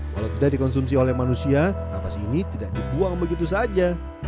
walau tidak dikonsumsi oleh manusia nafas ini tidak dibuang begitu saja